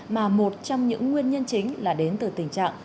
mà một trong những nguyên nhân chính là đến từ tình trạng